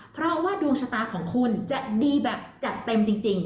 เพราะว่าดวงชะตาของคุณจะดีแบบจัดเต็มจริง